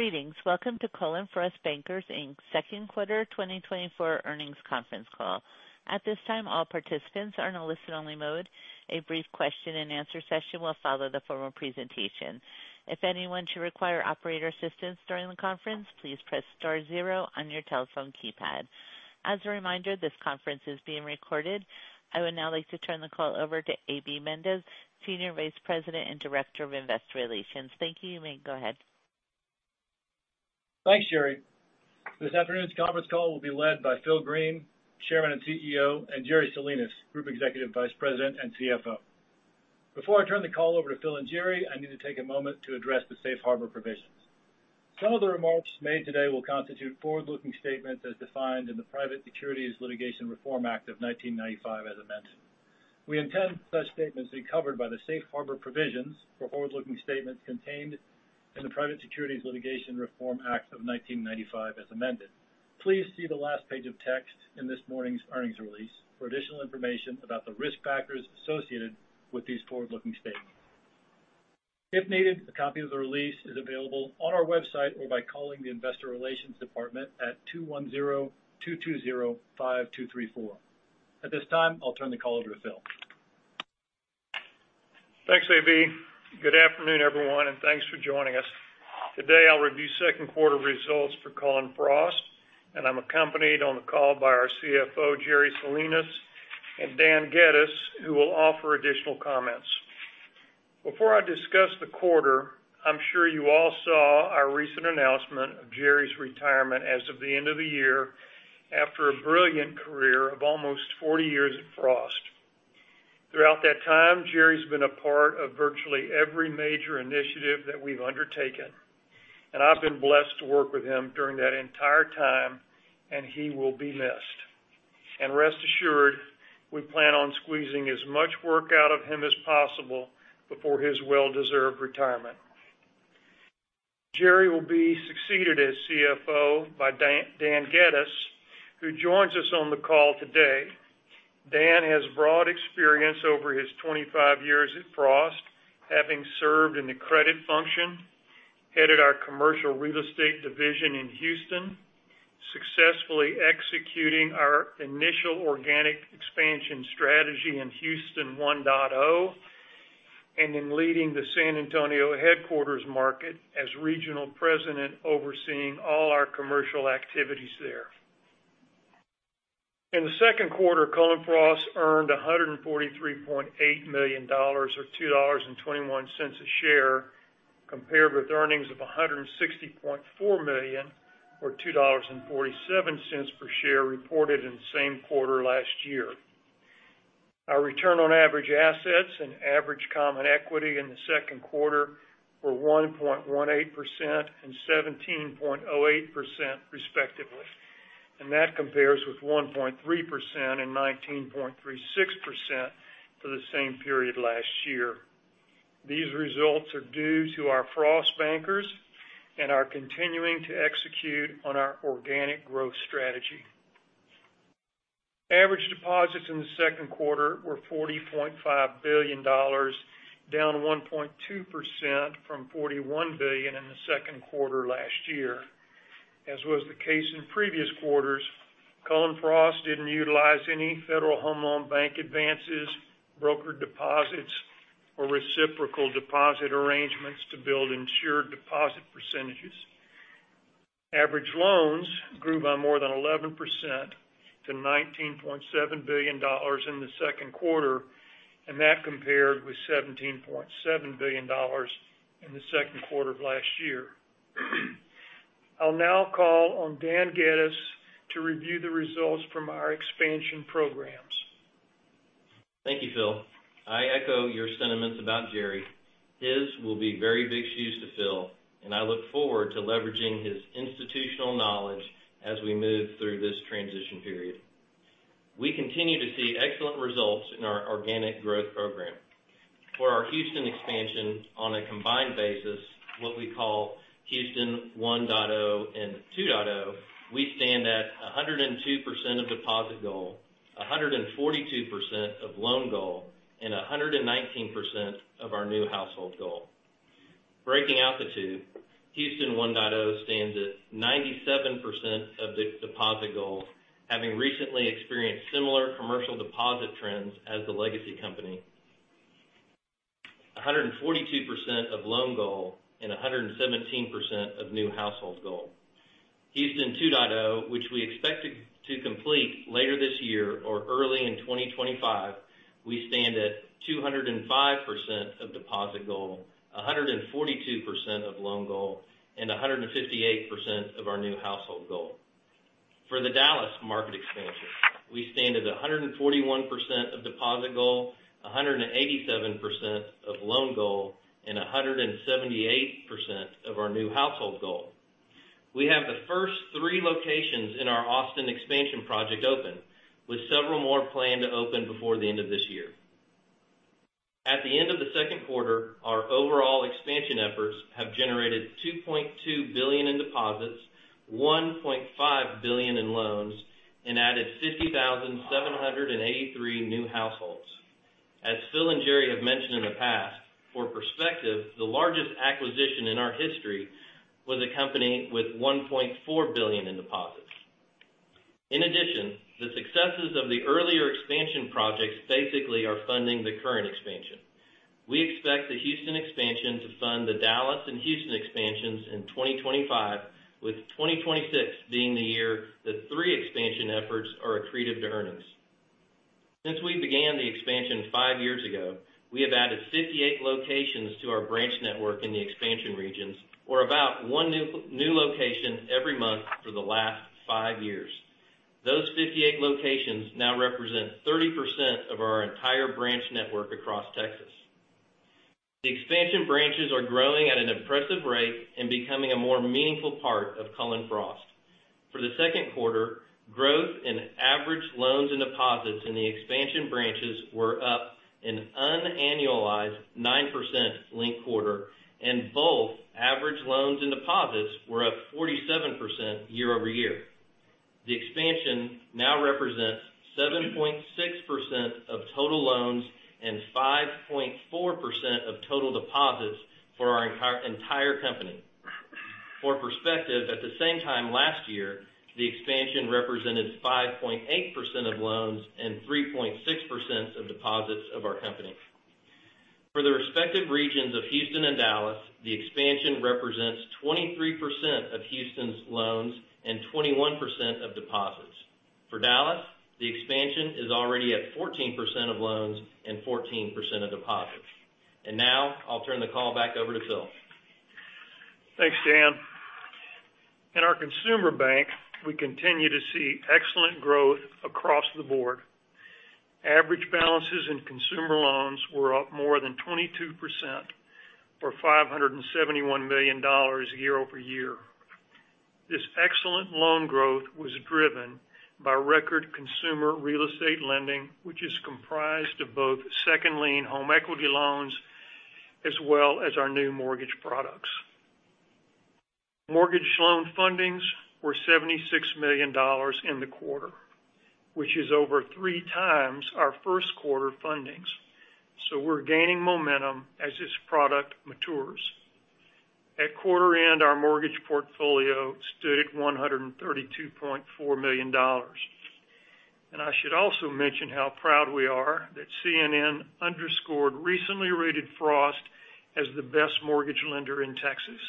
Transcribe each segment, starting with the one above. Greetings! Welcome to Cullen/Frost Bankers, Inc's second quarter 2024 earnings conference call. At this time, all participants are in a listen-only mode. A brief question-and-answer session will follow the formal presentation. If anyone should require operator assistance during the conference, please press star zero on your telephone keypad. As a reminder, this conference is being recorded. I would now like to turn the call over to A.B. Mendez, Senior Vice President and Director of Investor Relations. Thank you. You may go ahead. Thanks, Sherry. This afternoon's conference call will be led by Phil Green, Chairman and CEO, and Jerry Salinas, Group Executive Vice President and CFO. Before I turn the call over to Phil and Jerry, I need to take a moment to address the Safe Harbor provisions. Some of the remarks made today will constitute forward-looking statements as defined in the Private Securities Litigation Reform Act of 1995, as amended. We intend for such statements to be covered by the Safe Harbor provisions for forward-looking statements contained in the Private Securities Litigation Reform Act of 1995, as amended. Please see the last page of text in this morning's earnings release for additional information about the risk factors associated with these forward-looking statements. If needed, a copy of the release is available on our website or by calling the investor relations department at 210-220-5234. At this time, I'll turn the call over to Phil. Thanks, A.B. Good afternoon, everyone, and thanks for joining us. Today, I'll review second quarter results for Cullen/Frost, and I'm accompanied on the call by our CFO, Jerry Salinas, and Dan Geddes, who will offer additional comments. Before I discuss the quarter, I'm sure you all saw our recent announcement of Jerry's retirement as of the end of the year, after a brilliant career of almost 40 years at Frost. Throughout that time, Jerry's been a part of virtually every major initiative that we've undertaken, and I've been blessed to work with him during that entire time, and he will be missed. Rest assured, we plan on squeezing as much work out of him as possible before his well-deserved retirement. Jerry will be succeeded as CFO by Dan, Dan Geddes, who joins us on the call today. Dan has broad experience over his 25 years at Frost, having served in the credit function, headed our commercial real estate division in Houston, successfully executing our initial organic expansion strategy in Houston 1.0, and in leading the San Antonio headquarters market as regional president, overseeing all our commercial activities there. In the second quarter, Cullen/Frost earned $143.8 million, or $2.21 a share, compared with earnings of $160.4 million, or $2.47 per share, reported in the same quarter last year. Our return on average assets and average common equity in the second quarter were 1.18% and 17.08%, respectively, and that compares with 1.3% and 19.36% for the same period last year. These results are due to our Frost bankers and are continuing to execute on our organic growth strategy. Average deposits in the second quarter were $40.5 billion, down 1.2% from $41 billion in the second quarter last year. As was the case in previous quarters, Cullen/Frost didn't utilize any Federal Home Loan Bank advances, broker deposits, or reciprocal deposit arrangements to build insured deposit percentages. Average loans grew by more than 11% to $19.7 billion in the second quarter, and that compared with $17.7 billion in the second quarter of last year. I'll now call on Dan Geddes to review the results from our expansion programs. Thank you, Phil. I echo your sentiments about Jerry. His will be very big shoes to fill, and I look forward to leveraging his institutional knowledge as we move through this transition period. We continue to see excellent results in our organic growth program. For our Houston expansion, on a combined basis, what we call Houston 1.0 and 2.0, we stand at 102% of deposit goal, 142% of loan goal, and 119% of our new household goal. Breaking out the two, Houston 1.0 stands at 97% of the deposit goal, having recently experienced similar commercial deposit trends as the legacy company, 142% of loan goal, and 117% of new households goal. Houston 2.0, which we expect to complete later this year or early in 2025, we stand at 205% of deposit goal, 142% of loan goal, and 158% of our new household goal. For the Dallas market expansion, we stand at 141% of deposit goal, 187% of loan goal, and 178% of our new household goal. We have the first three locations in our Austin expansion project open, with several more planned to open before the end of this year. At the end of the second quarter, our overall expansion efforts have generated $2.2 billion in deposits, $1.5 billion in loans, and added 50,783 new households. As Phil and Jerry have mentioned in the past, for perspective, the largest acquisition in our history was a company with $1.4 billion in deposits. In addition, the successes of the earlier expansion projects basically are funding the current expansion. We expect the Houston expansion to fund the Dallas and Houston expansions in 2025, with 2026 being the year that three expansion efforts are accretive to earnings. Since we began the expansion five years ago, we have added 58 locations to our branch network in the expansion regions, or about one new location every month for the last five years. Those 58 locations now represent 30% of our entire branch network across Texas. The expansion branches are growing at an impressive rate and becoming a more meaningful part of Cullen/Frost. For the second quarter, growth in average loans and deposits in the expansion branches were up an unannualized 9% linked quarter, and both average loans and deposits were up 47% year-over-year. The expansion now represents 7.6% of total loans and 5.4% of total deposits for our entire company. For perspective, at the same time last year, the expansion represented 5.8% of loans and 3.6% of deposits of our company. For the respective regions of Houston and Dallas, the expansion represents 23% of Houston's loans and 21% of deposits. For Dallas, the expansion is already at 14% of loans and 14% of deposits. Now I'll turn the call back over to Phil. Thanks, Dan. In our consumer bank, we continue to see excellent growth across the board. Average balances in consumer loans were up more than 22%, for $571 million year-over-year. This excellent loan growth was driven by record consumer real estate lending, which is comprised of both second lien home equity loans as well as our new mortgage products. Mortgage loan fundings were $76 million in the quarter, which is over 3x our first quarter fundings, so we're gaining momentum as this product matures. At quarter end, our mortgage portfolio stood at $132.4 million. And I should also mention how proud we are that CNN Underscored recently rated Frost as the best mortgage lender in Texas.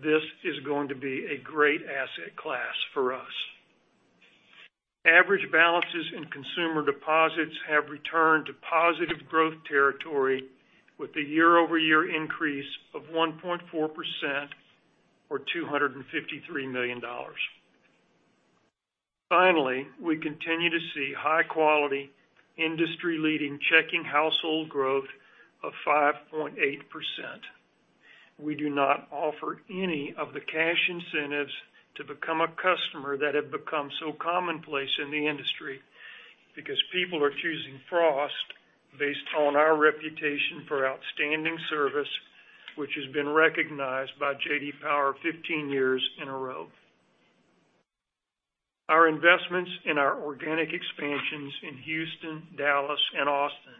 This is going to be a great asset class for us. Average balances in consumer deposits have returned to positive growth territory with a year-over-year increase of 1.4%, or $253 million. Finally, we continue to see high-quality, industry-leading checking household growth of 5.8%. We do not offer any of the cash incentives to become a customer that have become so commonplace in the industry, because people are choosing Frost based on our reputation for outstanding service, which has been recognized by J.D. Power 15 years in a row. Our investments in our organic expansions in Houston, Dallas, and Austin,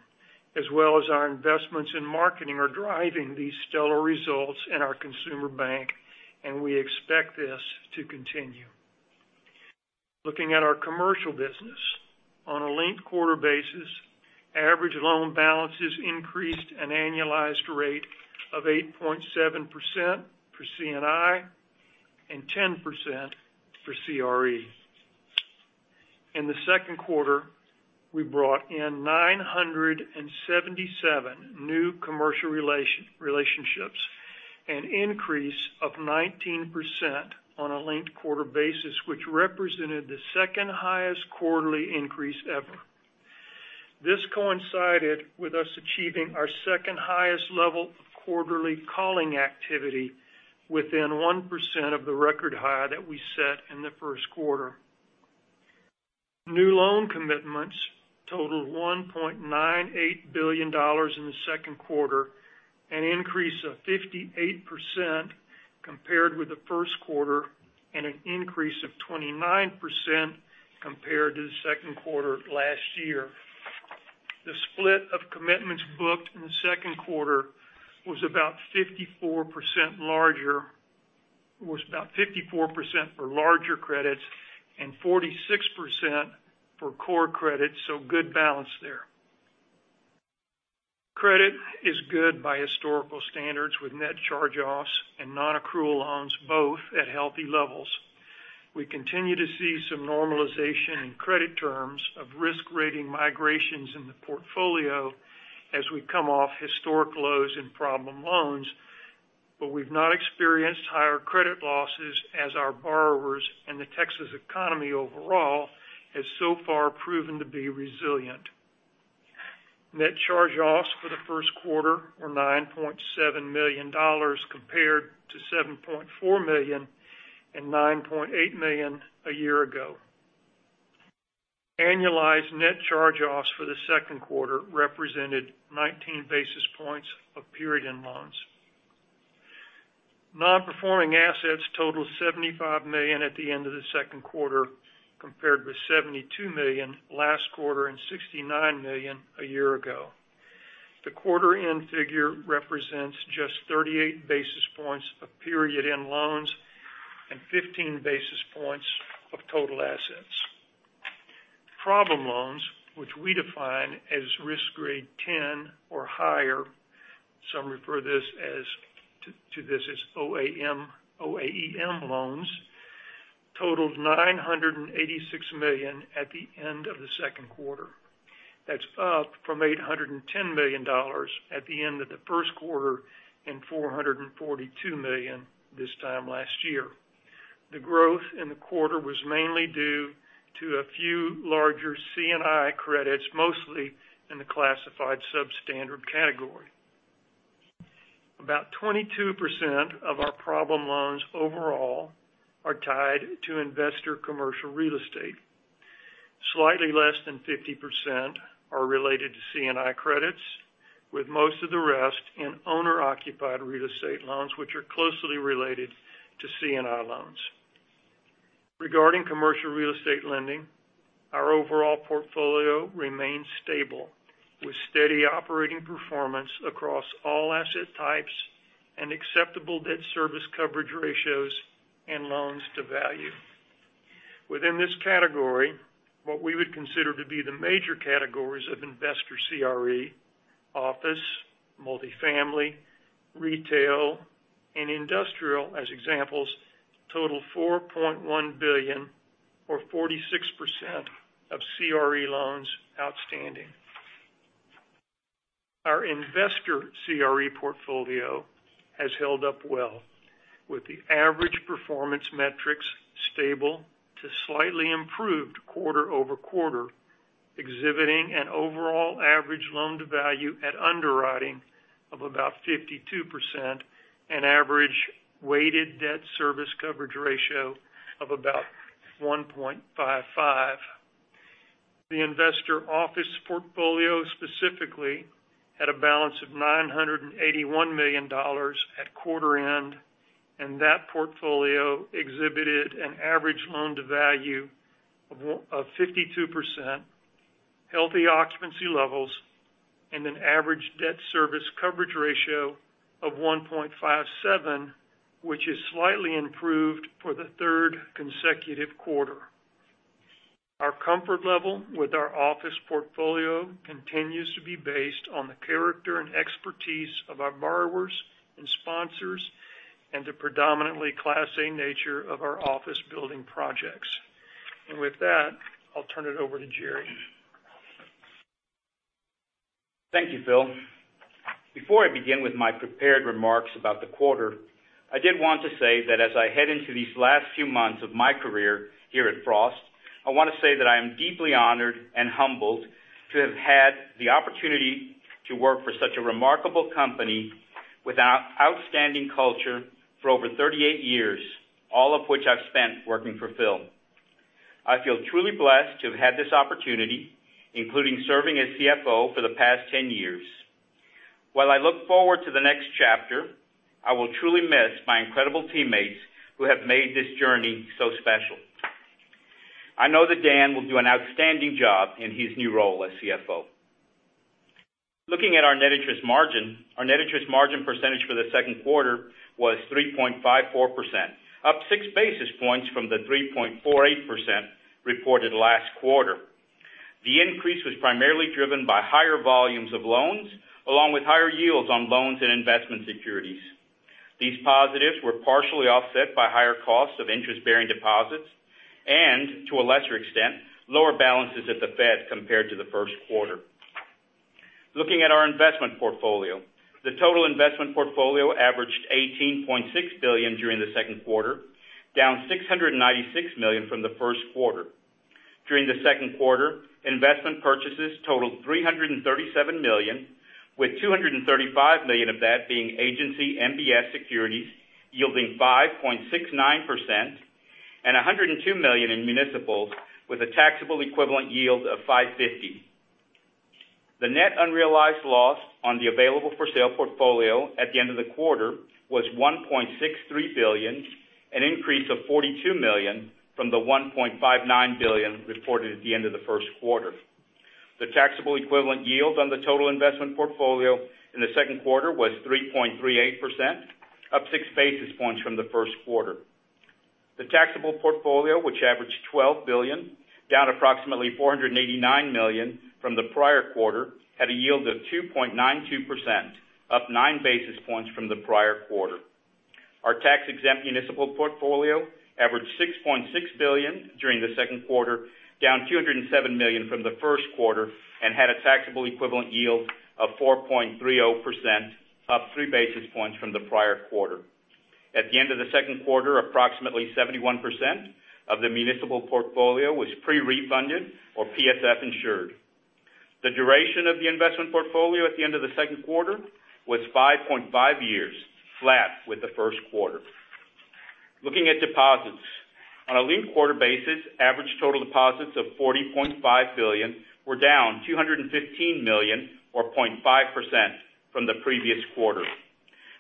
as well as our investments in marketing, are driving these stellar results in our consumer bank, and we expect this to continue. Looking at our commercial business. On a linked quarter basis, average loan balances increased an annualized rate of 8.7% for C&I and 10% for CRE. In the second quarter, we brought in 977 new commercial relationships, an increase of 19% on a linked-quarter basis, which represented the second-highest quarterly increase ever. This coincided with us achieving our second-highest level of quarterly calling activity within 1% of the record high that we set in the first quarter. New loan commitments totaled $1.98 billion in the second quarter, an increase of 58% compared with the first quarter, and an increase of 29% compared to the second quarter of last year. The split of commitments booked in the second quarter was about 54% for larger credits and 46% for core credits, so good balance there. Credit is good by historical standards, with net charge-offs and nonaccrual loans both at healthy levels. We continue to see some normalization in credit terms of risk rating migrations in the portfolio as we come off historic lows in problem loans, but we've not experienced higher credit losses as our borrowers and the Texas economy overall has so far proven to be resilient. Net charge-offs for the first quarter were $9.7 million, compared to $7.4 million and $9.8 million a year ago. Annualized net charge-offs for the second quarter represented 19 basis points of period-end loans. Non-performing assets totaled $75 million at the end of the second quarter, compared with $72 million last quarter and $69 million a year ago. The quarter end figure represents just 38 basis points of period end loans and 15 basis points of total assets. Problem loans, which we define as risk grade 10 or higher, some refer to this as OAEM loans, totaled $986 million at the end of the second quarter. That's up from $810 million at the end of the first quarter, and $442 million this time last year. The growth in the quarter was mainly due to a few larger C&I credits, mostly in the classified substandard category. About 22% of our problem loans overall are tied to investor commercial real estate. Slightly less than 50% are related to C&I credits, with most of the rest in owner-occupied real estate loans, which are closely related to C&I loans. Regarding commercial real estate lending, our overall portfolio remains stable, with steady operating performance across all asset types and acceptable debt service coverage ratios and loan-to-value. Within this category, what we would consider to be the major categories of investor CRE, office, multifamily, retail, and industrial, as examples, total $4.1 billion, or 46% of CRE loans outstanding. Our investor CRE portfolio has held up well, with the average performance metrics stable to slightly improved quarter-over-quarter, exhibiting an overall average loan-to-value at underwriting of about 52% and average weighted debt service coverage ratio of about 1.55x. The investor office portfolio specifically had a balance of $981 million at quarter end, and that portfolio exhibited an average loan-to-value of 52%, healthy occupancy levels, and an average debt service coverage ratio of 1.57x, which is slightly improved for the third consecutive quarter. Our comfort level with our office portfolio continues to be based on the character and expertise of our borrowers and sponsors, and the predominantly Class A nature of our office building projects. With that, I'll turn it over to Jerry. Thank you, Phil. Before I begin with my prepared remarks about the quarter, I did want to say that as I head into these last few months of my career here at Frost, I want to say that I am deeply honored and humbled to have had the opportunity to work for such a remarkable company with an outstanding culture for over 38 years, all of which I've spent working for Phil. I feel truly blessed to have had this opportunity, including serving as CFO for the past 10 years. While I look forward to the next chapter, I will truly miss my incredible teammates who have made this journey so special. I know that Dan will do an outstanding job in his new role as CFO. Looking at our net interest margin, our net interest margin percentage for the second quarter was 3.54%, up 6 basis points from the 3.48% reported last quarter. The increase was primarily driven by higher volumes of loans, along with higher yields on loans and investment securities. These positives were partially offset by higher costs of interest-bearing deposits and, to a lesser extent, lower balances at the Fed compared to the first quarter. Looking at our investment portfolio, the total investment portfolio averaged $18.6 billion during the second quarter, down $696 million from the first quarter. During the second quarter, investment purchases totaled $337 million, with $235 million of that being agency MBS securities, yielding 5.69%, and $102 million in municipals, with a taxable equivalent yield of 5.50%. The net unrealized loss on the available for sale portfolio at the end of the quarter was $1.63 billion, an increase of $42 million from the $1.59 billion reported at the end of the first quarter. The taxable equivalent yield on the total investment portfolio in the second quarter was 3.38%, up 6 basis points from the first quarter. The taxable portfolio, which averaged $12 billion, down approximately $489 million from the prior quarter, had a yield of 2.92%, up 9 basis points from the prior quarter. Our tax-exempt municipal portfolio averaged $6.6 billion during the second quarter, down $207 million from the first quarter, and had a taxable equivalent yield of 4.30%, up 3 basis points from the prior quarter. At the end of the second quarter, approximately 71% of the municipal portfolio was pre-refunded or PSF insured. The duration of the investment portfolio at the end of the second quarter was 5.5 years, flat with the first quarter. Looking at deposits. On a linked quarter basis, average total deposits of $40.5 billion were down $215 million, or 0.5%, from the previous quarter.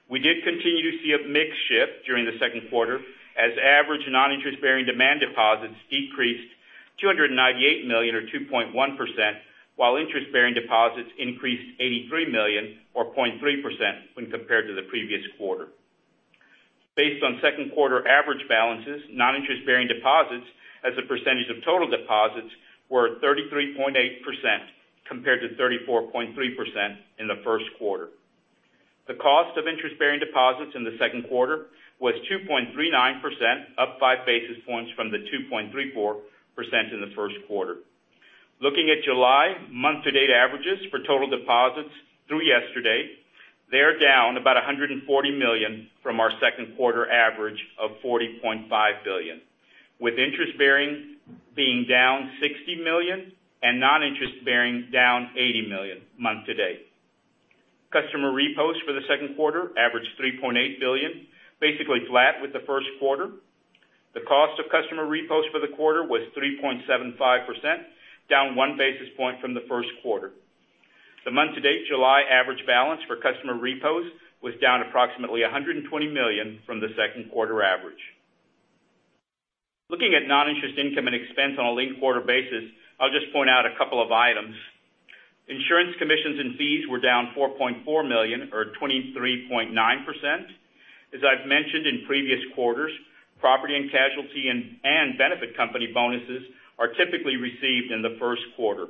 We did continue to see a mix shift during the second quarter, as average non-interest-bearing demand deposits decreased $298 million, or 2.1%, while interest-bearing deposits increased $83 million, or 0.3%, when compared to the previous quarter. Based on second quarter average balances, non-interest-bearing deposits as a percentage of total deposits were 33.8%, compared to 34.3% in the first quarter. The cost of interest-bearing deposits in the second quarter was 2.39%, up 5 basis points from the 2.34% in the first quarter. Looking at July month-to-date averages for total deposits through yesterday, they are down about $140 million from our second quarter average of $40.5 billion, with interest bearing being down $60 million and non-interest bearing down $80 million month to date. Customer repos for the second quarter averaged $3.8 billion, basically flat with the first quarter. The cost of customer repos for the quarter was 3.75%, down 1 basis point from the first quarter. The month-to-date July average balance for customer repos was down approximately $120 million from the second quarter average. Looking at non-interest income and expense on a linked quarter basis, I'll just point out a couple of items. Insurance commissions and fees were down $4.4 million, or 23.9%. As I've mentioned in previous quarters, property and casualty and benefit company bonuses are typically received in the first quarter.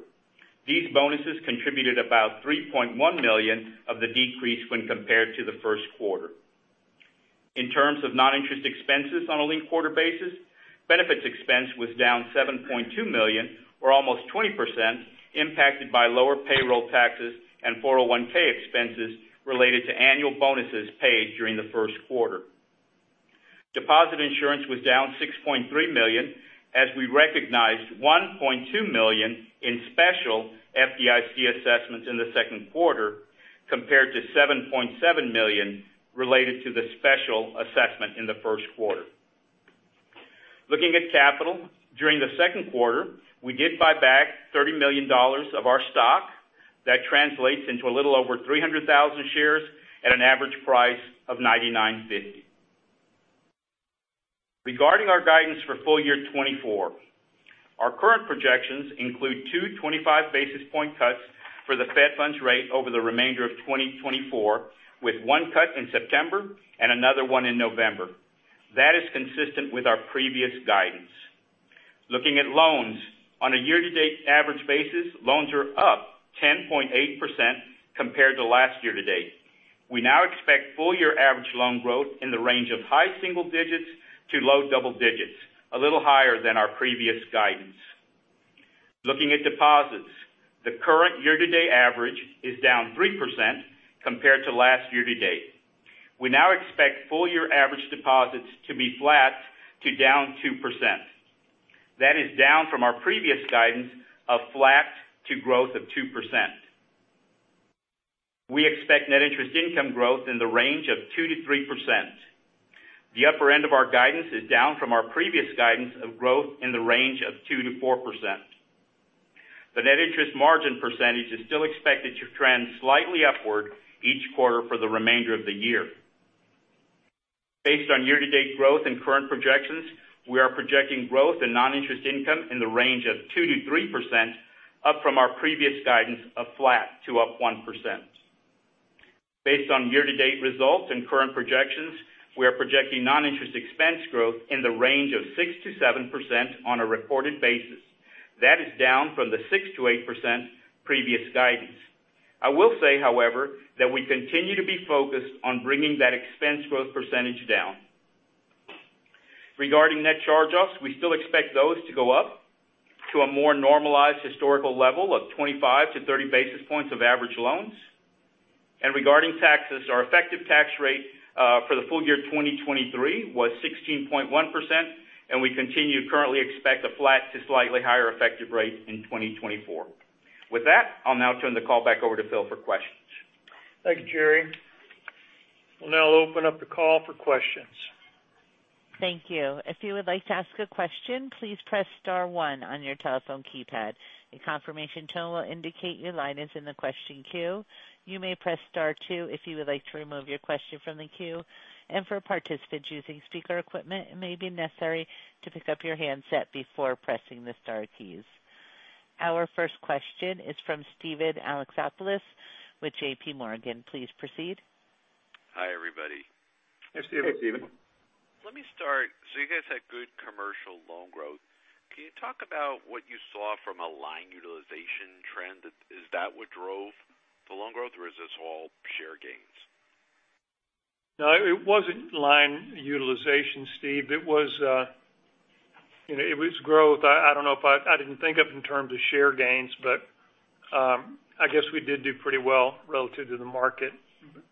These bonuses contributed about $3.1 million of the decrease when compared to the first quarter. In terms of non-interest expenses on a linked quarter basis, benefits expense was down $7.2 million, or almost 20%, impacted by lower payroll taxes and 401(k) expenses related to annual bonuses paid during the first quarter. Deposit insurance was down $6.3 million, as we recognized $1.2 million in special FDIC assessments in the second quarter, compared to $7.7 million related to the special assessment in the first quarter. Looking at capital, during the second quarter, we did buy back $30 million of our stock. That translates into a little over 300,000 shares at an average price of $99.50. Regarding our guidance for full year 2024, our current projections include two 25 basis point cuts for the Fed funds rate over the remainder of 2024, with one cut in September and another one in November. That is consistent with our previous guidance. Looking at loans, on a year-to-date average basis, loans are up 10.8% compared to last year-to-date. We now expect full-year average loan growth in the range of high single digits to low double digits, a little higher than our previous guidance. Looking at deposits, the current year-to-date average is down 3% compared to last year-to-date. We now expect full-year average deposits to be flat to down 2%. That is down from our previous guidance of flat to growth of 2%. We expect net interest income growth in the range of 2%-3%. The upper end of our guidance is down from our previous guidance of growth in the range of 2%-4%. The net interest margin percentage is still expected to trend slightly upward each quarter for the remainder of the year. Based on year-to-date growth and current projections, we are projecting growth in non-interest income in the range of 2%-3%, up from our previous guidance of flat to up 1%. Based on year-to-date results and current projections, we are projecting non-interest expense growth in the range of 6%-7% on a reported basis. That is down from the 6%-8% previous guidance. I will say, however, that we continue to be focused on bringing that expense growth percentage down. Regarding net charge-offs, we still expect those to go up to a more normalized historical level of 25-30 basis points of average loans. Regarding taxes, our effective tax rate for the full year 2023 was 16.1%, and we continue to currently expect a flat to slightly higher effective rate in 2024. With that, I'll now turn the call back over to Phil for questions. Thank you, Jerry. We'll now open up the call for questions. Thank you. If you would like to ask a question, please press star one on your telephone keypad. A confirmation tone will indicate your line is in the question queue. You may press star two if you would like to remove your question from the queue, and for participants using speaker equipment, it may be necessary to pick up your handset before pressing the star keys. Our first question is from Steven Alexopoulos with JPMorgan. Please proceed. Hi, everybody. Hi, Steven. Hey, Steven. Let me start. So you guys had good commercial loan growth. Can you talk about what you saw from a line utilization trend? Is that what drove the loan growth, or is this all share gains? No, it wasn't line utilization, Steve. It was, you know, it was growth. I don't know if I didn't think of it in terms of share gains, but I guess we did do pretty well relative to the market.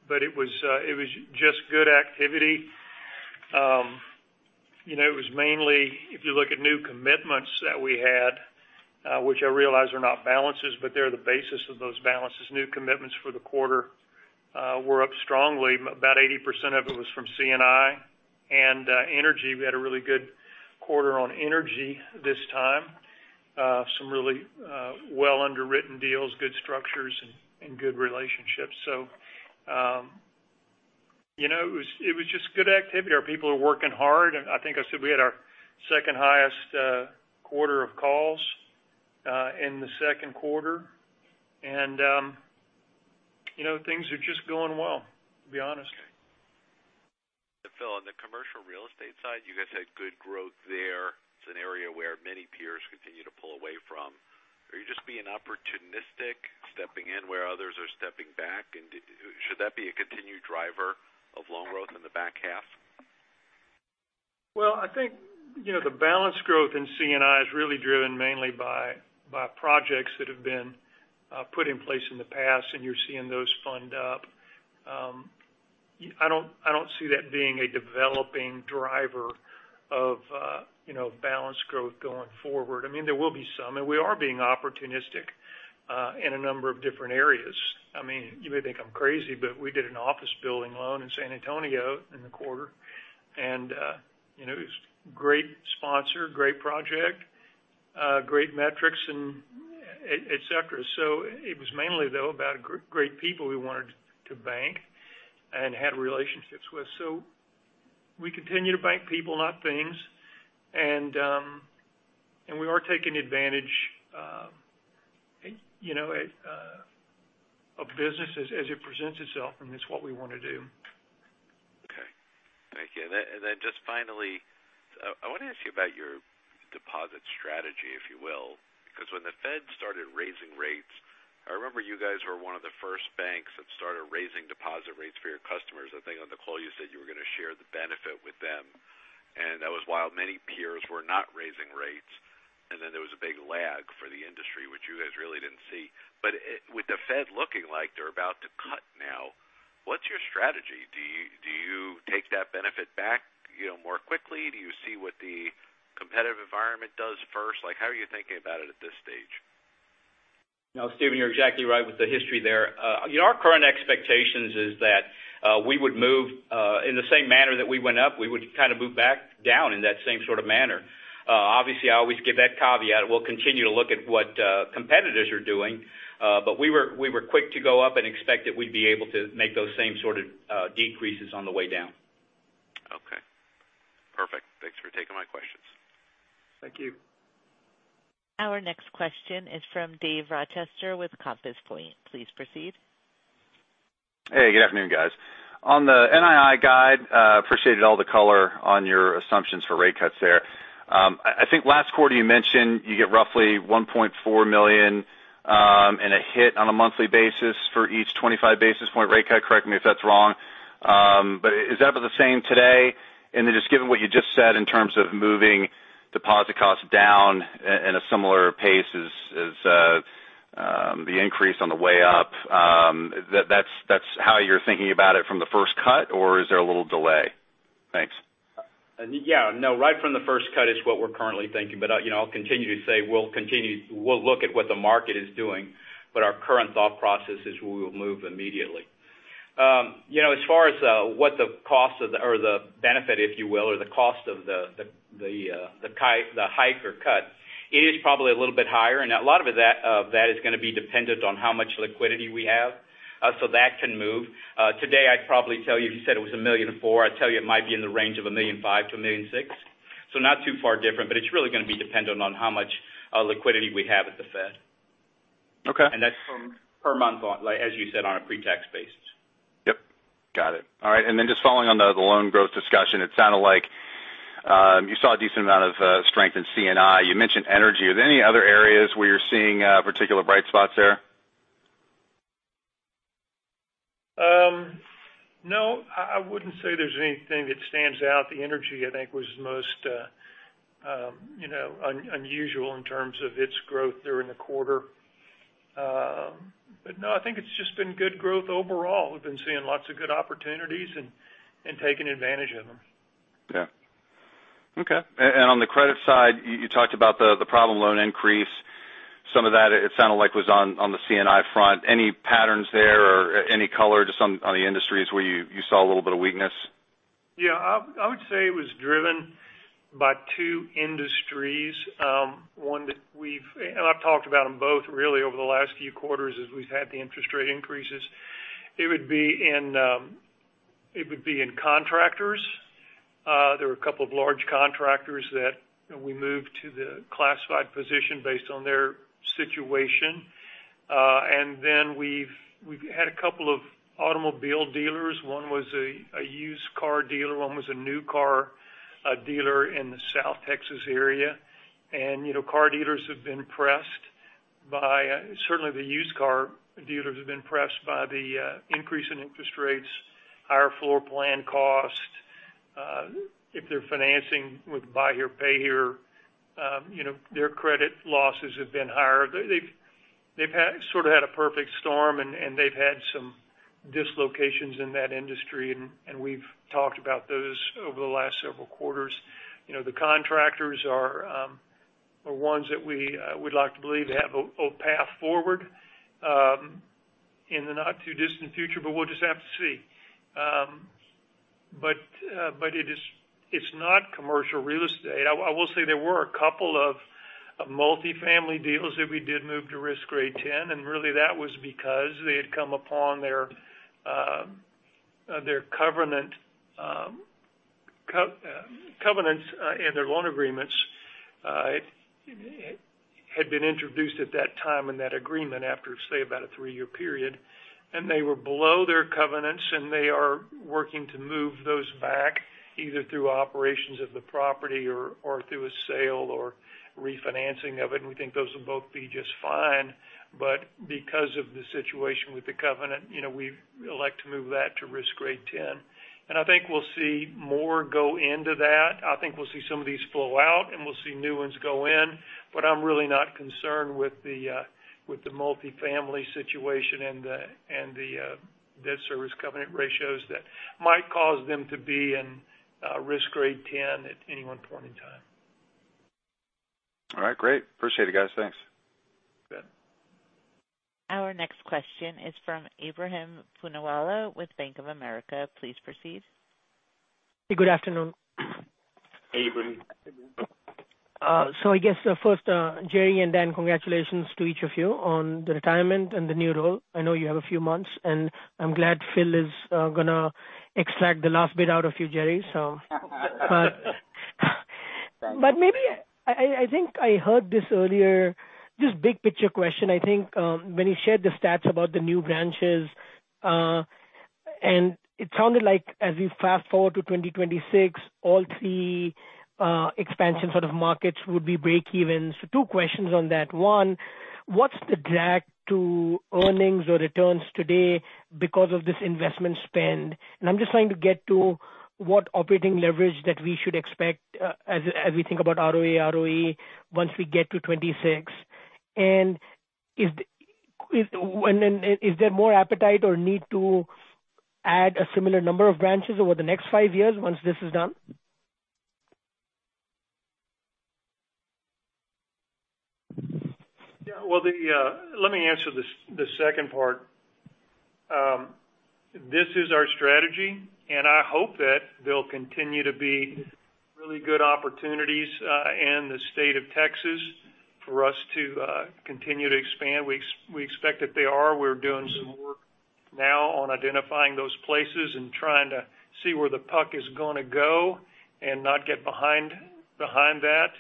But it was, it was just good activity. You know, it was mainly if you look at new commitments that we had, which I realize are not balances, but they're the basis of those balances. New commitments for the quarter were up strongly. About 80% of it was from C&I and energy. We had a really good quarter on energy this time. Some really well underwritten deals, good structures, and good relationships. So, you know, it was just good activity. Our people are working hard, and I think I said we had our second highest quarter of calls in the second quarter. And, you know, things are just going well, to be honest. Phil, on the commercial real estate side, you guys had good growth there. It's an area where many peers continue to pull away from. Are you just being opportunistic, stepping in where others are stepping back, and should that be a continued driver of loan growth in the back half? Well, I think, you know, the balance growth in C&I is really driven mainly by projects that have been put in place in the past, and you're seeing those fund up. I don't see that being a developing driver of, you know, balance growth going forward. I mean, there will be some, and we are being opportunistic in a number of different areas. I mean, you may think I'm crazy, but we did an office building loan in San Antonio in the quarter, and, you know, it was great sponsor, great project, great metrics and etc. So it was mainly, though, about great people we wanted to bank and had relationships with. So we continue to bank people, not things, and we are taking advantage, you know, of businesses as it presents itself, and that's what we want to do. Okay. Thank you. And then just finally, I want to ask you about your deposit strategy, if you will, because when the Fed started raising rates, I remember you guys were one of the first banks that started raising deposit rates for your customers. I think on the call you said you were going to share the benefit with them, and that was while many peers were not raising rates. And then there was a big lag for the industry, which you guys really didn't see. But with the Fed looking like they're about to cut now, what's your strategy? Do you take that benefit back, you know, more quickly? Do you see what the competitive environment does first? Like, how are you thinking about it at this stage? No, Steven, you're exactly right with the history there. Our current expectations is that, we would move, in the same manner that we went up, we would kind of move back down in that same sort of manner. Obviously, I always give that caveat, we'll continue to look at what, competitors are doing, but we were, we were quick to go up and expect that we'd be able to make those same sort of, decreases on the way down. Okay. Perfect. Thanks for taking my questions. Thank you. Our next question is from Dave Rochester with Compass Point. Please proceed. Hey, good afternoon, guys. On the NII guide, appreciated all the color on your assumptions for rate cuts there. I think last quarter you mentioned you get roughly $1.4 million in a hit on a monthly basis for each 25 basis point rate cut. Correct me if that's wrong. But is that about the same today? And then just given what you just said in terms of moving deposit costs down in a similar pace as the increase on the way up, that's how you're thinking about it from the first cut, or is there a little delay? Thanks. Yeah. No, right from the first cut is what we're currently thinking, but, you know, I'll continue to say, we'll continue, we'll look at what the market is doing, but our current thought process is we will move immediately. You know, as far as what the cost of the, or the benefit, if you will, or the cost of the, the hike or cut, it is probably a little bit higher, and a lot of that, that is gonna be dependent on how much liquidity we have, so that can move. Today, I'd probably tell you, if you said it was $1.4 million, I'd tell you it might be in the range of $1.5 million-$1.6 million. So not too far different, but it's really gonna be dependent on how much liquidity we have at the Fed. Okay. That's from per month, on—like, as you said—on a pre-tax basis. Yep, got it. All right, and then just following on the loan growth discussion, it sounded like you saw a decent amount of strength in C&I. You mentioned energy. Are there any other areas where you're seeing particular bright spots there? No, I wouldn't say there's anything that stands out. The energy, I think, was the most, you know, unusual in terms of its growth during the quarter. But no, I think it's just been good growth overall. We've been seeing lots of good opportunities and taking advantage of them. Yeah. Okay, and on the credit side, you talked about the problem loan increase. Some of that, it sounded like, was on the C&I front. Any patterns there or any color just on the industries where you saw a little bit of weakness? Yeah, I would say it was driven by two industries. One that we've, and I've talked about them both, really, over the last few quarters as we've had the interest rate increases. It would be in contractors. There were a couple of large contractors that, you know, we moved to the classified position based on their situation. And then we've had a couple of automobile dealers. One was a used car dealer, one was a new car dealer in the South Texas area. And, you know, car dealers have been pressed by, certainly the used car dealers have been pressed by the increase in interest rates, higher floor plan cost. If they're financing with buy here, pay here, you know, their credit losses have been higher. They've sort of had a perfect storm, and they've had some dislocations in that industry, and we've talked about those over the last several quarters. You know, the contractors are ones that we would like to believe have a path forward in the not too distant future, but we'll just have to see. But it is. It's not commercial real estate. I will say there were a couple of multifamily deals that we did move to risk grade 10, and really, that was because they had come upon their covenants in their loan agreements. It had been introduced at that time in that agreement after, say, about a three-year period, and they were below their covenants, and they are working to move those back, either through operations of the property or, or through a sale or refinancing of it. We think those will both be just fine, but because of the situation with the covenant, you know, we elect to move that to risk grade 10. And I think we'll see more go into that. I think we'll see some of these flow out, and we'll see new ones go in, but I'm really not concerned with the, with the multifamily situation and the, and the, debt service covenant ratios that might cause them to be in, risk grade ten at any one point in time. All right, great. Appreciate it, guys. Thanks. Good. Our next question is from Ebrahim Poonawala with Bank of America. Please proceed. Good afternoon. Hey, Ebrahim. So I guess, first, Jerry and Dan, congratulations to each of you on the retirement and the new role. I know you have a few months, and I'm glad Phil is gonna extract the last bit out of you, Jerry, so. But maybe I think I heard this earlier, just big picture question. I think, when you shared the stats about the new branches, and it sounded like as we fast forward to 2026, all three expansion sort of markets would be breakeven. So two questions on that. One, what's the drag to earnings or returns today because of this investment spend? And I'm just trying to get to what operating leverage that we should expect, as we think about ROA, ROE, once we get to 2026. Is there more appetite or need to add a similar number of branches over the next five years once this is done? Yeah, well, the, let me answer this, the second part. This is our strategy, and I hope that there'll continue to be really good opportunities in the state of Texas for us to continue to expand. We expect that they are. We're doing some work now on identifying those places and trying to see where the puck is gonna go and not get behind that.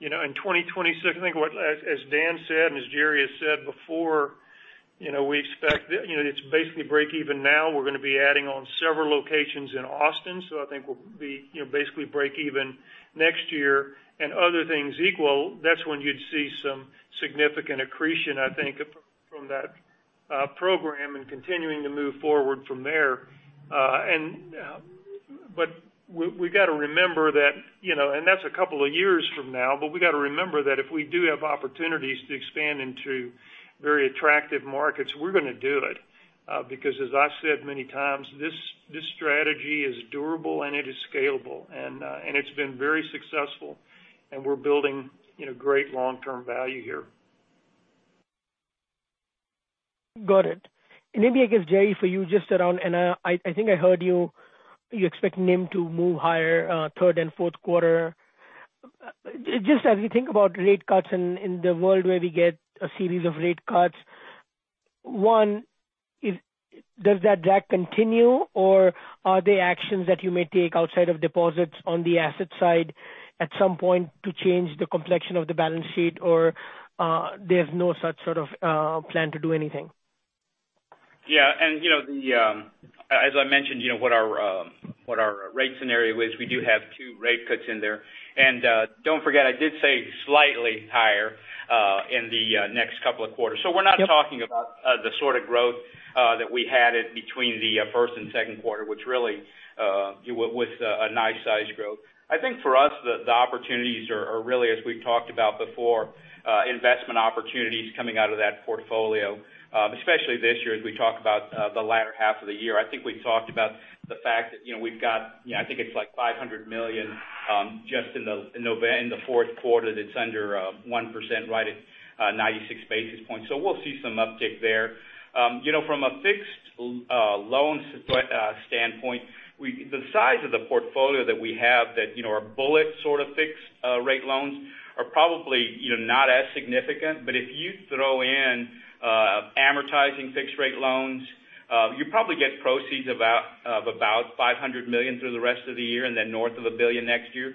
You know, in 2026, I think what, as Dan said, and as Jerry has said before, you know, we expect, you know, it's basically breakeven now. We're gonna be adding on several locations in Austin, so I think we'll be, you know, basically breakeven next year. And other things equal, that's when you'd see some significant accretion, I think, from that program and continuing to move forward from there. But we gotta remember that, you know, and that's a couple of years from now, but we gotta remember that if we do have opportunities to expand into very attractive markets, we're gonna do it. Because as I said many times, this, this strategy is durable, and it is scalable, and, and it's been very successful, and we're building, you know, great long-term value here. Got it. And maybe, I guess, Jerry, for you, just around, and, I think I heard you, you expect NIM to move higher, third and fourth quarter. Just as we think about rate cuts in the world, where we get a series of rate cuts, one, is, does that drag continue, or are there actions that you may take outside of deposits on the asset side at some point to change the complexion of the balance sheet, or, there's no such sort of, plan to do anything? Yeah, and, you know, the, as I mentioned, you know, what our rate scenario is, we do have two rate cuts in there. And, don't forget, I did say slightly higher in the next couple of quarters. So we're not talking about the sort of growth that we had between the first and second quarter, which really was a nice-sized growth. I think for us, the opportunities are really, as we've talked about before, investment opportunities coming out of that portfolio, especially this year, as we talk about the latter half of the year. I think we talked about the fact that, you know, we've got, you know, I think it's like $500 million just in the fourth quarter, that's under 1%, right, at 96 basis points. So we'll see some uptick there. You know, from a fixed loan standpoint, the size of the portfolio that we have that, you know, are bullet sort of fixed rate loans, are probably, you know, not as significant. But if you throw in amortizing fixed-rate loans, you probably get proceeds of about $500 million through the rest of the year and then north of $1 billion next year.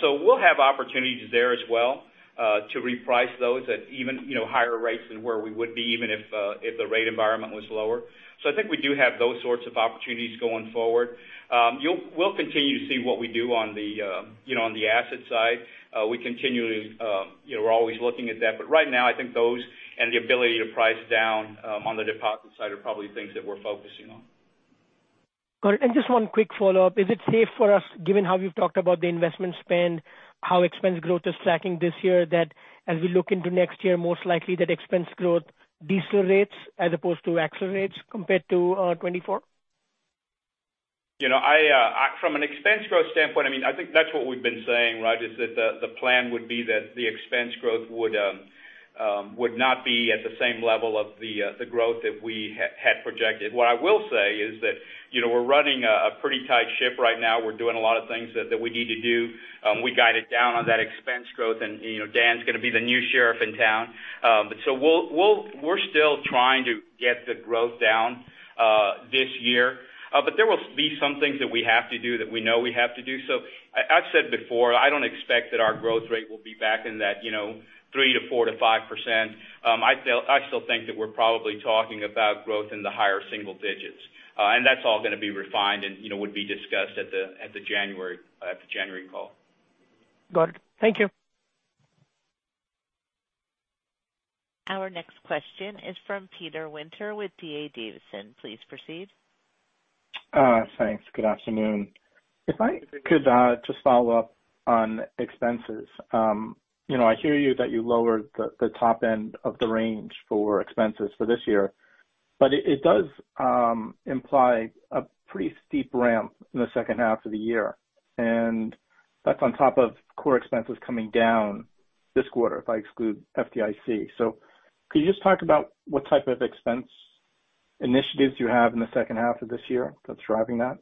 So we'll have opportunities there as well to reprice those at even, you know, higher rates than where we would be, even if the rate environment was lower. So I think we do have those sorts of opportunities going forward. We'll continue to see what we do on the, you know, on the asset side. We continue to, you know, we're always looking at that, but right now I think those and the ability to price down on the deposit side are probably things that we're focusing on. Great. And just one quick follow-up. Is it safe for us, given how you've talked about the investment spend, how expense growth is tracking this year, that as we look into next year, most likely that expense growth decelerates as opposed to accelerates compared to 2024? You know, from an expense growth standpoint, I mean, I think that's what we've been saying, right? Is that the plan would be that the expense growth would not be at the same level of the growth that we had projected. What I will say is that, you know, we're running a pretty tight ship right now. We're doing a lot of things that we need to do. We guided down on that expense growth and, you know, Dan's going to be the new sheriff in town. So we're still trying to get the growth down this year. But there will be some things that we have to do that we know we have to do. So I've said before, I don't expect that our growth rate will be back in that, you know, 3% to 4% to 5%. I still think that we're probably talking about growth in the higher single digits. And that's all going to be refined and, you know, would be discussed at the January call. Got it. Thank you. Our next question is from Peter Winter with D.A. Davidson. Please proceed. Thanks. Good afternoon. If I could just follow up on expenses. You know, I hear you that you lowered the top end of the range for expenses for this year, but it does imply a pretty steep ramp in the second half of the year, and that's on top of core expenses coming down this quarter, if I exclude FDIC. So could you just talk about what type of expense initiatives you have in the second half of this year that's driving that?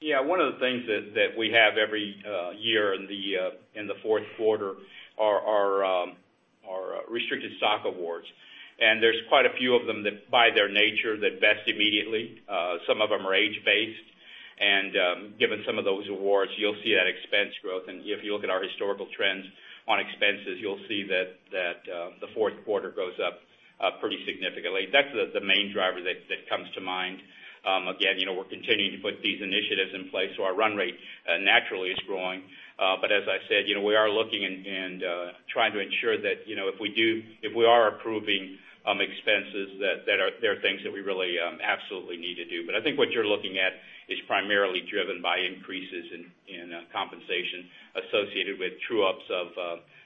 Yeah, one of the things that we have every year in the fourth quarter are restricted stock awards. And there's quite a few of them that, by their nature, vest immediately. Some of them are age-based, and given some of those awards, you'll see that expense growth. And if you look at our historical trends on expenses, you'll see that the fourth quarter goes up pretty significantly. That's the main driver that comes to mind. Again, you know, we're continuing to put these initiatives in place, so our run rate naturally is growing. But as I said, you know, we are looking and trying to ensure that, you know, if we do if we are approving expenses, that they are things that we really absolutely need to do. But I think what you're looking at is primarily driven by increases in compensation associated with true ups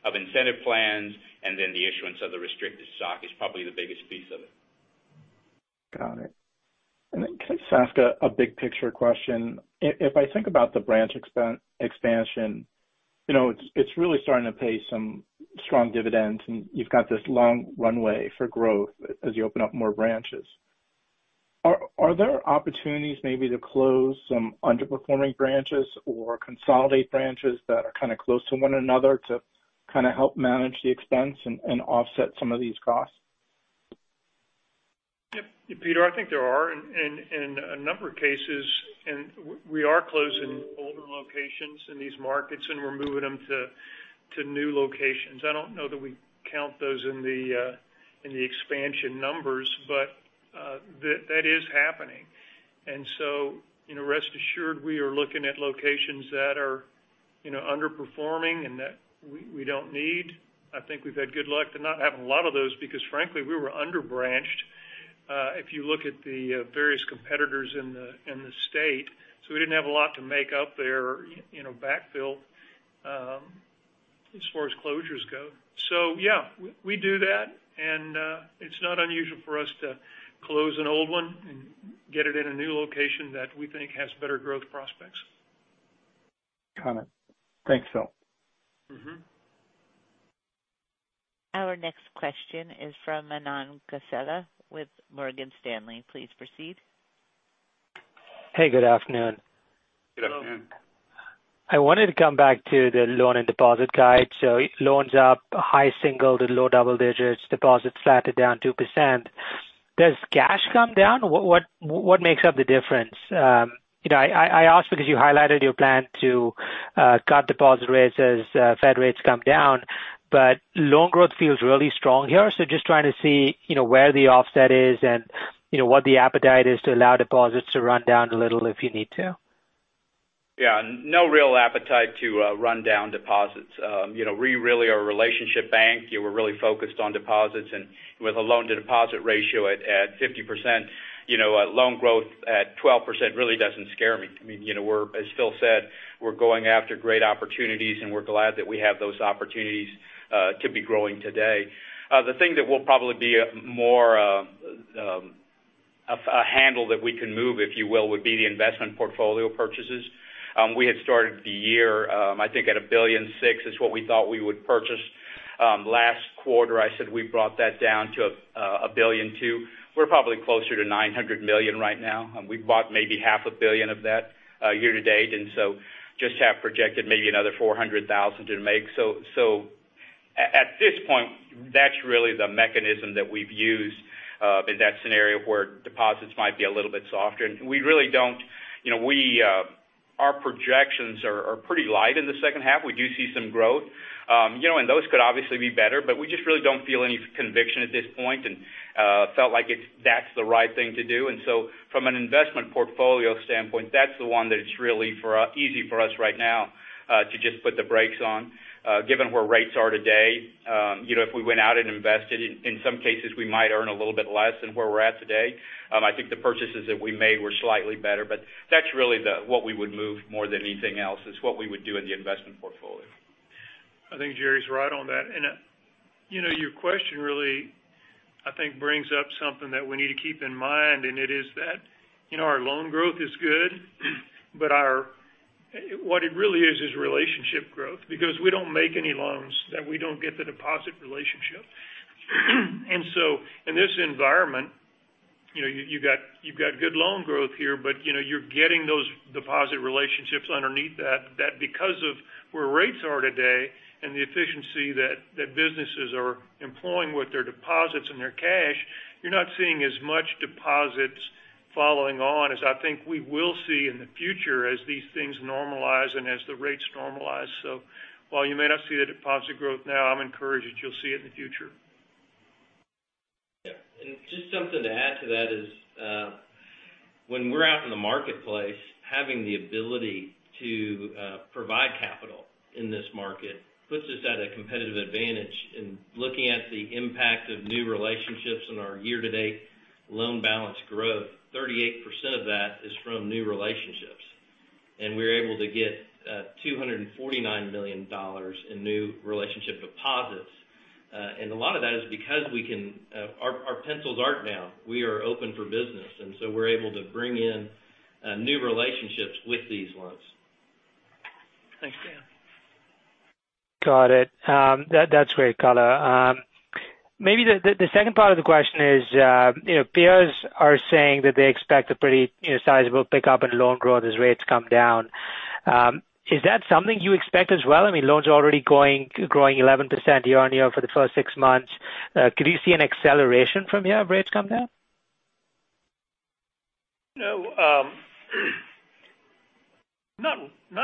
of incentive plans, and then the issuance of the restricted stock is probably the biggest piece of it. Got it. And then can I just ask a big picture question? If I think about the branch expansion, you know, it's really starting to pay some strong dividends, and you've got this long runway for growth as you open up more branches. Are there opportunities maybe to close some underperforming branches or consolidate branches that are kind of close to one another to kind of help manage the expense and offset some of these costs? Yep. Peter, I think there are in a number of cases, and we are closing older locations in these markets, and we're moving them to new locations. I don't know that we count those in the expansion numbers, but that is happening. And so, you know, rest assured we are looking at locations that are, you know, underperforming and that we don't need. I think we've had good luck to not have a lot of those, because frankly, we were under-branched, if you look at the various competitors in the state. So we didn't have a lot to make up there, you know, backfill, as far as closures go. So yeah, we do that, and it's not unusual for us to close an old one and get it in a new location that we think has better growth prospects. Got it. Thanks, Phil. Mm-hmm. Our next question is from Manan Gosalia with Morgan Stanley. Please proceed. Hey, good afternoon. Good afternoon. I wanted to come back to the loan and deposit guide. So loans up, high single to low double-digits, deposits flat to down 2%. Does cash come down? What makes up the difference? You know, I ask because you highlighted your plan to cut deposit rates as Fed rates come down, but loan growth feels really strong here. So just trying to see, you know, where the offset is and, you know, what the appetite is to allow deposits to run down a little if you need to. Yeah. No real appetite to run down deposits. You know, we really are a relationship bank. You know, we're really focused on deposits and with a loan-to-deposit ratio at 50%, you know, loan growth at 12% really doesn't scare me. I mean, you know, we're, as Phil said, we're going after great opportunities, and we're glad that we have those opportunities to be growing today. The thing that will probably be a more handle that we can move, if you will, would be the investment portfolio purchases. We had started the year, I think at $1.6 billion, is what we thought we would purchase. Last quarter, I said we brought that down to $1.2 billion. We're probably closer to $900 million right now, and we've bought maybe $500 million of that year to date, and so just have projected maybe another $400,000 to make. So at this point, that's really the mechanism that we've used in that scenario, where deposits might be a little bit softer. And we really don't. You know, we our projections are pretty light in the second half. We do see some growth. You know, and those could obviously be better, but we just really don't feel any conviction at this point and felt like that's the right thing to do. And so from an investment portfolio standpoint, that's the one that's really for us easy for us right now to just put the brakes on. Given where rates are today, you know, if we went out and invested, in some cases, we might earn a little bit less than where we're at today. I think the purchases that we made were slightly better, but that's really the what we would move more than anything else, is what we would do in the investment portfolio. I think Jerry's right on that. You know, your question really, I think, brings up something that we need to keep in mind, and it is that, you know, our loan growth is good, but our--what it really is, is relationship growth, because we don't make any loans that we don't get the deposit relationship. And so in this environment, you know, you, you've got, you've got good loan growth here, but, you know, you're getting those deposit relationships underneath that, that because of where rates are today and the efficiency that, that businesses are employing with their deposits and their cash, you're not seeing as much deposits following on as I think we will see in the future as these things normalize and as the rates normalize. So while you may not see the deposit growth now, I'm encouraged that you'll see it in the future. Yeah, and just something to add to that is, when we're out in the marketplace, having the ability to provide capital in this market puts us at a competitive advantage. In looking at the impact of new relationships on our year-to-date loan balance growth, 38% of that is from new relationships. And we're able to get $249 million in new relationship deposits. And a lot of that is because we can, our pencils are down. We are open for business, and so we're able to bring in new relationships with these loans. Thanks, Dan. Got it. That's great color. Maybe the second part of the question is, you know, peers are saying that they expect a pretty, you know, sizable pickup in loan growth as rates come down. Is that something you expect as well? I mean, loans are already growing 11% year-on-year for the first six months. Could you see an acceleration from here if rates come down? No, not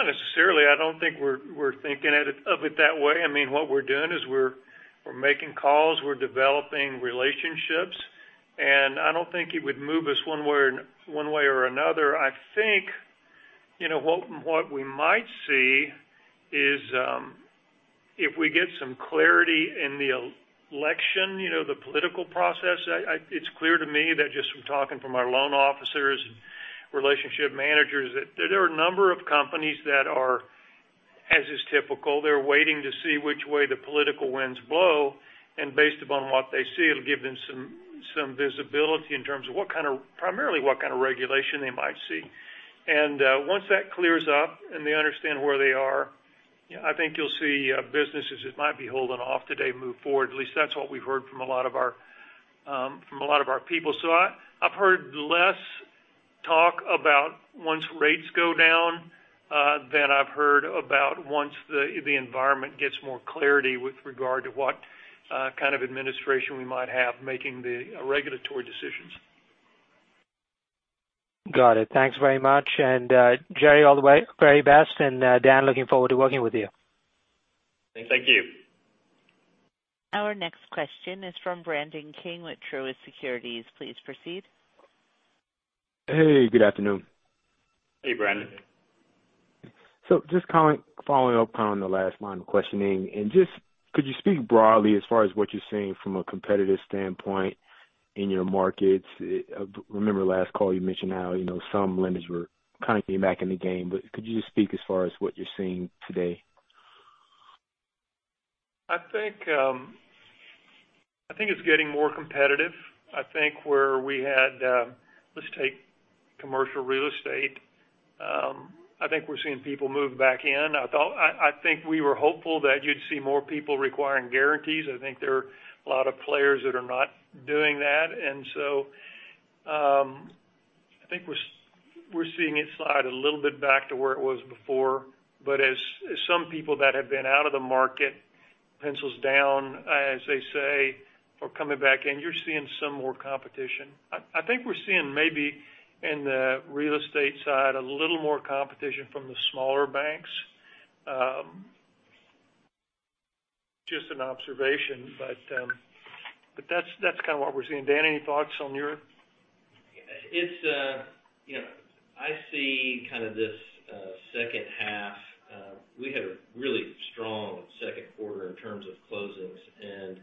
necessarily. I don't think we're thinking of it that way. I mean, what we're doing is we're making calls, we're developing relationships, and I don't think it would move us one way or another. I think, you know, what we might see is, if we get some clarity in the election, you know, the political process, it's clear to me that just from talking to our loan officers and relationship managers, that there are a number of companies that are, as is typical, they're waiting to see which way the political winds blow, and based upon what they see, it'll give them some visibility in terms of what kind of, primarily, what kind of regulation they might see. Once that clears up and they understand where they are, you know, I think you'll see businesses that might be holding off today move forward. At least that's what we've heard from a lot of our, from a lot of our people. So I've heard less talk about once rates go down than I've heard about once the environment gets more clarity with regard to what kind of administration we might have making the regulatory decisions. Got it. Thanks very much. And, Jerry, all the way, very best. And, Dan, looking forward to working with you. Thank you. Our next question is from Brandon King with Truist Securities. Please proceed. Hey, good afternoon. Hey, Brandon. So, just comment following up on the last line of questioning, and just could you speak broadly as far as what you're seeing from a competitive standpoint in your markets? Remember last call you mentioned how, you know, some lenders were kind of getting back in the game, but could you just speak as far as what you're seeing today? I think I think it's getting more competitive. I think where we had, let's take commercial real estate. I think we're seeing people move back in. I think we were hopeful that you'd see more people requiring guarantees. I think there are a lot of players that are not doing that. And so, I think we're seeing it slide a little bit back to where it was before. But as some people that have been out of the market, pencils down, as they say, are coming back in, you're seeing some more competition. I think we're seeing maybe in the real estate side, a little more competition from the smaller banks. Just an observation, but that's kind of what we're seeing. Dan, any thoughts on your end? It's, you know, I see kind of this second half. We had a really strong second quarter in terms of closings. And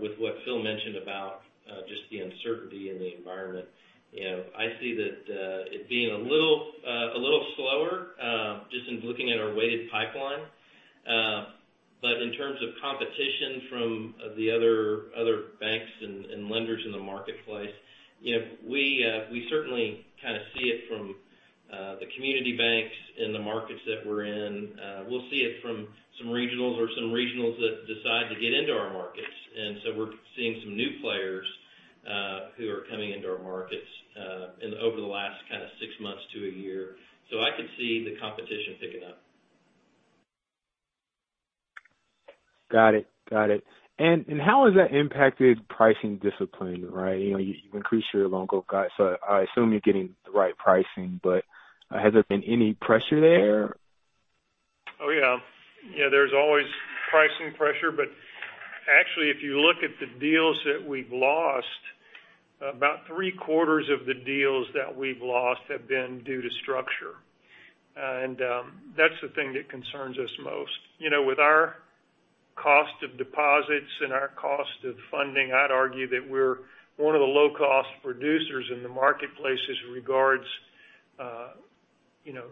with what Phil mentioned about just the uncertainty in the environment, you know, I see that it being a little a little slower just in looking at our weighted pipeline. But in terms of competition from the other banks and lenders in the marketplace, you know, we certainly kind of see it from the community banks in the markets that we're in. We'll see it from some regionals that decide to get into our markets. And so we're seeing some new players who are coming into our markets and over the last kind of six months to a year. So I could see the competition picking up. Got it. Got it. And how has that impacted pricing discipline, right? You know, you increased your loan book, so I assume you're getting the right pricing, but has there been any pressure there? Oh, yeah. Yeah, there's always pricing pressure, but actually, if you look at the deals that we've lost, about three quarters of the deals that we've lost have been due to structure. And that's the thing that concerns us most. You know, with our cost of deposits and our cost of funding, I'd argue that we're one of the low-cost producers in the marketplace as regards, you know,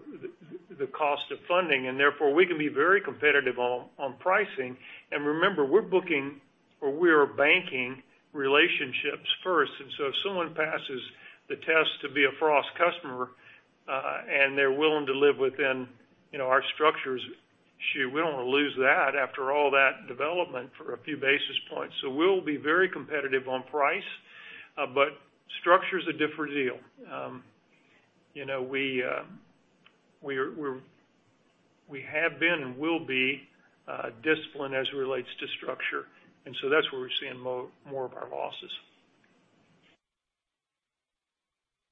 the cost of funding, and therefore, we can be very competitive on pricing. And remember, we're booking or we are banking relationships first. And so if someone passes the test to be a Frost customer, and they're willing to live within, you know, our structures, shoot, we don't want to lose that after all that development for a few basis points. So we'll be very competitive on price, but structure is a different deal. You know, we have been and will be disciplined as it relates to structure, and so that's where we're seeing more, more of our losses.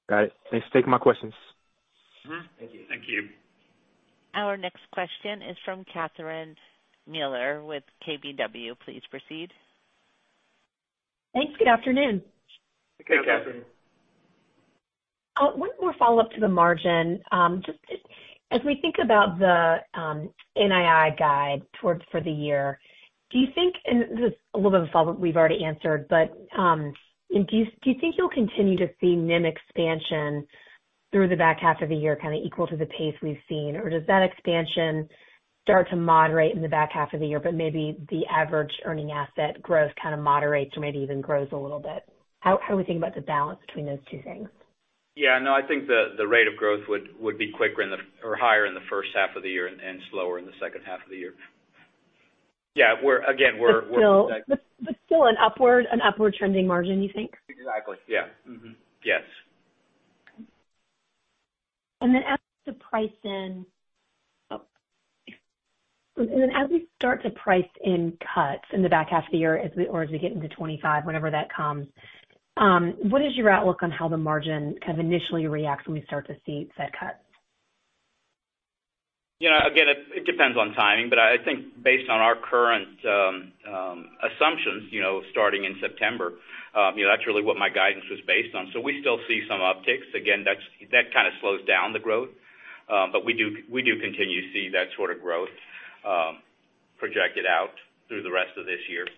Got it. Thanks for taking my questions. Mm-hmm. Thank you. Thank you. Our next question is from Catherine Mealor with KBW. Please proceed. Thanks. Good afternoon. Hey, Catherine. One more follow-up to the margin. Just as we think about the NII guide toward for the year, do you think, and this is a little bit of a follow-up we've already answered, but, do you think you'll continue to see NIM expansion through the back half of the year, kind of equal to the pace we've seen? Or does that expansion start to moderate in the back half of the year, but maybe the average earning asset growth kind of moderates or maybe even grows a little bit? How are we thinking about the balance between those two things? Yeah, no, I think the rate of growth would be quicker or higher in the first half of the year and slower in the second half of the year. Yeah, we're - again, we're - But still, an upward trending margin, you think? Exactly. Yeah. Mm-hmm. Yes. Oh, and then as we start to price in cuts in the back half of the year, as we, or as we get into 2025, whenever that comes, what is your outlook on how the margin kind of initially reacts when we start to see said cuts? You know, again, it depends on timing, but I think based on our current assumptions, you know, starting in September, you know, that's really what my guidance was based on. So we still see some upticks. Again, that kind of slows down the growth, but we do continue to see that sort of growth projected out through the rest of this year.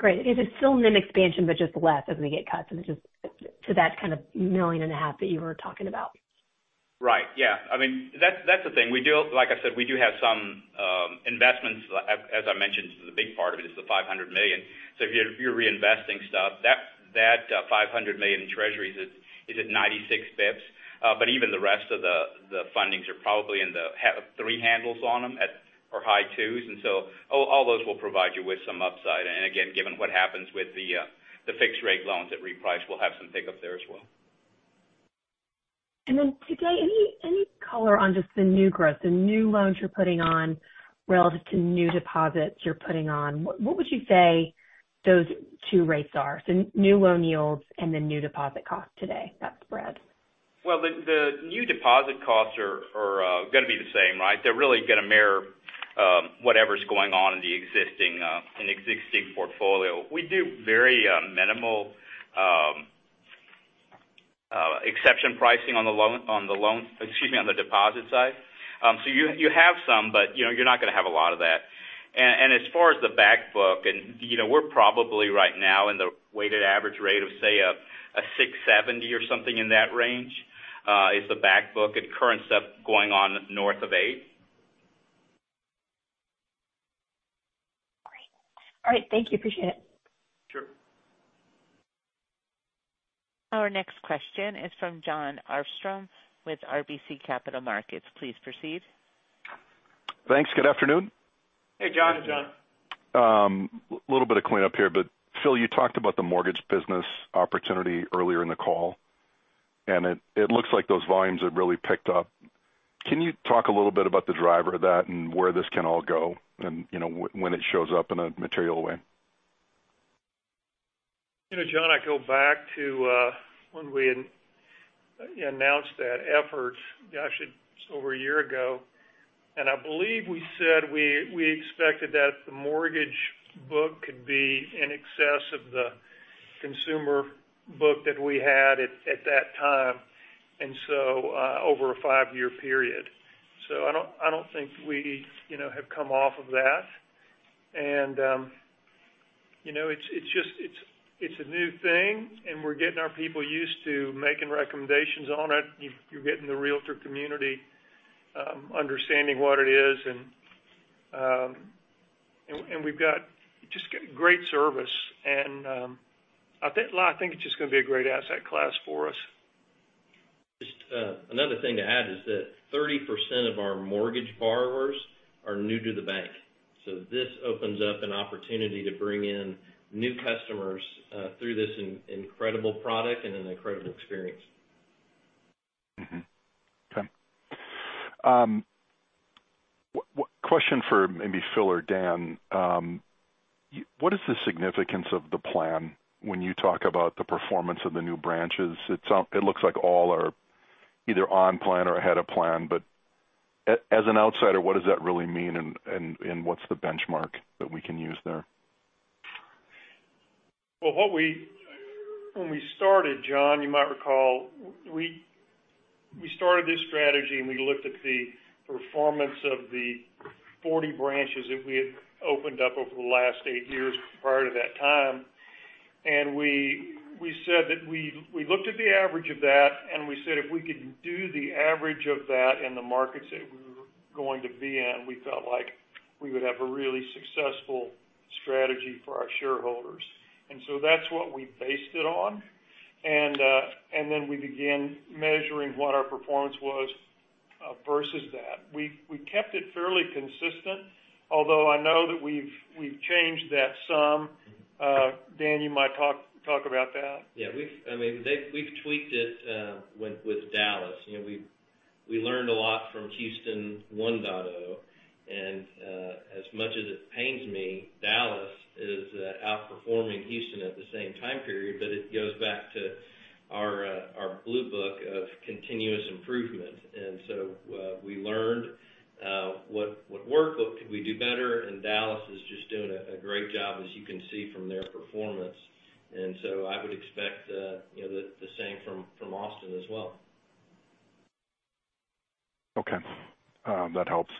Great. Is it still NIM expansion, but just less as we get cuts and just to that kind of $1.5 million that you were talking about? Right. Yeah. I mean, that's, that's the thing. We do—like I said, we do have some investments. As, as I mentioned, the big part of it is the $500 million. So if you're, if you're reinvesting stuff, that, that, $500 million in Treasuries is, is at 96 bps. But even the rest of the, the fundings are probably in the three handles on them at, or high twos. And so all, all those will provide you with some upside. And again, given what happens with the, the fixed rate loans at reprice, we'll have some pickup there as well. And then today, any color on just the new growth, the new loans you're putting on relative to new deposits you're putting on? What would you say those two rates are, so new loan yields and the new deposit costs today, that spread? Well, the new deposit costs are gonna be the same, right? They're really gonna mirror whatever's going on in the existing portfolio. We do very minimal exception pricing, excuse me, on the deposit side. So you have some, but, you know, you're not gonna have a lot of that. And as far as the back book, you know, we're probably right now in the weighted average rate of, say, a 6.70% or something in that range is the back book and current stuff going on north of 8%. Great. All right, thank you. Appreciate it. Sure. Our next question is from Jon Arfstrom with RBC Capital Markets. Please proceed. Thanks. Good afternoon. Hey, Jon. A little bit of cleanup here, but Phil, you talked about the mortgage business opportunity earlier in the call, and it, it looks like those volumes have really picked up. Can you talk a little bit about the driver of that and where this can all go and, you know, when it shows up in a material way? You know, Jon, I go back to, when we announced that effort, actually, just over a year ago, and I believe we said we, we expected that the mortgage book could be in excess of the consumer book that we had at, at that time, and so, over a five-year period. So I don't, I don't think we, you know, have come off of that. You know, it's just a new thing, and we're getting our people used to making recommendations on it. You're getting the realtor community understanding what it is, and we've got just great service, and I think, well, I think it's just gonna be a great asset class for us. Just another thing to add is that 30% of our mortgage borrowers are new to the bank. So this opens up an opportunity to bring in new customers through this incredible product and an incredible experience. Mm-hmm. Okay. Question for maybe Phil or Dan. What is the significance of the plan when you talk about the performance of the new branches? It looks like all are either on plan or ahead of plan, but as an outsider, what does that really mean, and what's the benchmark that we can use there? Well, what we, when we started, Jon, you might recall, we started this strategy, and we looked at the performance of the 40 branches that we had opened up over the last 8 years prior to that time. And we said that we looked at the average of that, and we said, if we could do the average of that in the markets that we were going to be in, we felt like we would have a really successful strategy for our shareholders. And so that's what we based it on. And then we began measuring what our performance was versus that. We kept it fairly consistent, although I know that we've changed that some. Dan, you might talk about that. Yeah, I mean, they've—we've tweaked it with Dallas. You know, we learned a lot from Houston 1.0. And, as much as it pains me, Dallas is outperforming Houston at the same time period, but it goes back to our Blue Book of continuous improvement. And so, we learned what worked, what could we do better, and Dallas is just doing a great job, as you can see from their performance. And so I would expect, you know, the same from Austin as well. Okay, that helps.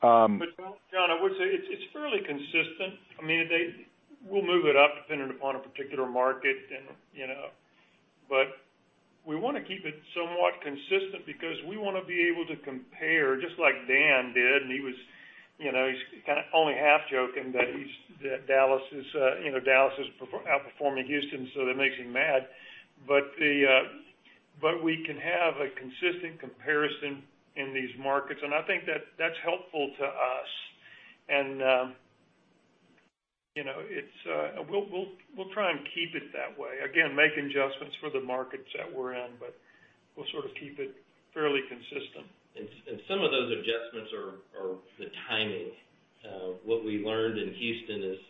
But Jon, I would say it's fairly consistent. I mean, we'll move it up depending upon a particular market, and, you know. But we wanna keep it somewhat consistent because we wanna be able to compare, just like Dan did, and he was, you know, he's kind of only half joking that Houston - that Dallas is, you know, Dallas is outperforming Houston, so that makes him mad. But we can have a consistent comparison in these markets, and I think that's helpful to us. And, you know, it's... We'll try and keep it that way. Again, make adjustments for the markets that we're in, but we'll sort of keep it fairly consistent. And some of those adjustments are the timing. What we learned in Houston is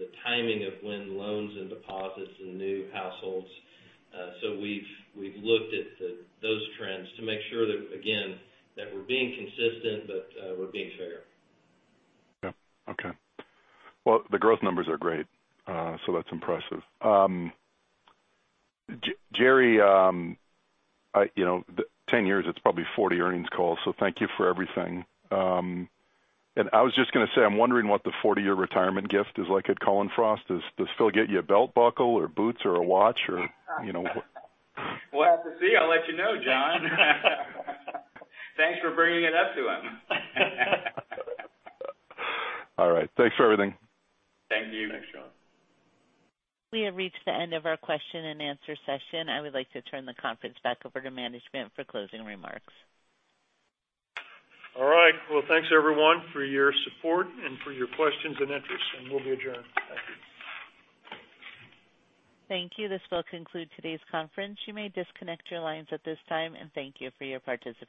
the timing of when loans and deposits and new households, so we've looked at those trends to make sure that, again, that we're being consistent, but we're being fair. Yeah. Okay. Well, the growth numbers are great, so that's impressive. Jerry, you know, the 10 years, it's probably 40 earnings calls, so thank you for everything. And I was just gonna say, I'm wondering what the 40-year retirement gift is like at Cullen/Frost. Does Phil get you a belt buckle or boots or a watch or, you know? We'll have to see. I'll let you know, Jon. Thanks for bringing it up to him. All right, thanks for everything. Thank you. Thanks, Jon. We have reached the end of our question-and-answer session. I would like to turn the conference back over to management for closing remarks. All right. Well, thanks, everyone, for your support and for your questions and interest, and we'll be adjourned. Thank you. Thank you. This will conclude today's conference. You may disconnect your lines at this time and thank you for your participation.